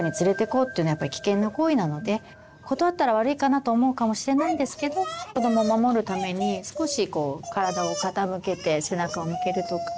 断ったら悪いかなと思うかもしれないんですけど子ども守るために少しこう体を傾けて背中を向けるとか。